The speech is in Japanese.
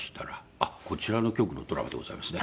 あっこちらの局のドラマでございますね。